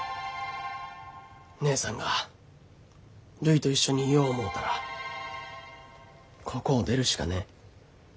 義姉さんがるいと一緒にいよう思うたらここを出るしかねえ。